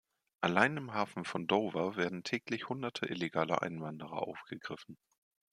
Allein im Hafen von Dover werden täglich Hunderte illegaler Einwanderer aufgegriffen.